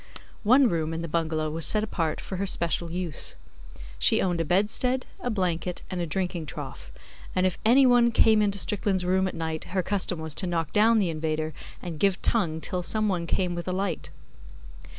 One room in the bungalow was set apart for her special use. She owned a bedstead, a blanket, and a drinking trough, and if any one came into Strickland's room at night her custom was to knock down the invader and give tongue till some one came with a light.